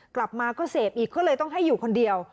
กลับมาก็เสพอีกก็เลยต้องให้อยู่คนเดียว